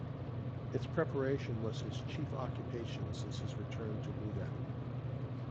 Its preparation was his chief occupation since his return to Leuven.